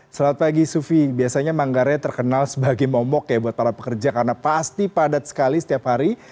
selamat pagi sufi biasanya manggarai terkenal sebagai momok ya buat para pekerja karena pasti padat sekali setiap hari